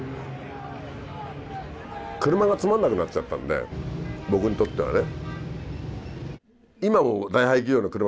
車がつまんなくなっちゃったんで僕にとってはね。